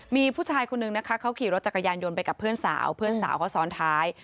มีผู้ชายคนนึงนะคะเขาขี่รถจักรยานยนต์ไปกับเพื่อนสาวเพื่อนสาวเขาซ้อนท้าย